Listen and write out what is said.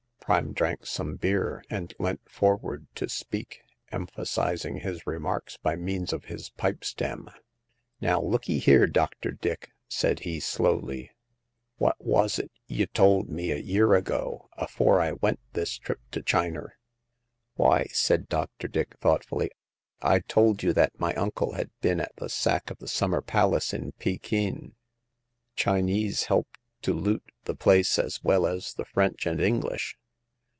Prime drank some beer, and leant forward to speak, emphasizing his remarks by means of his pipe stem. " Now, look'ee here. Dr. Dick," said he, slowly, " what wos it y' told me a year ago, afore I went this trip to Chiner ?"" Why," said Dr. Dick, thoughtfully, " I told you that my uncle had been at the sack of the Summer Palace in Pekin. Chinese helped to loot the place as well as the French and English.